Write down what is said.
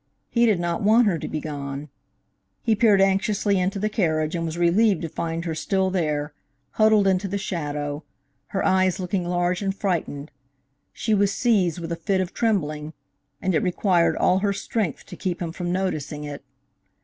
He did not want her to be gone. He peered anxiously into the carriage, and was relieved to find her still there, huddled into the shadow, her eyes looking large and frightened. She was seized with a fit of trembling, and it required all her strength to keep him from noticing it.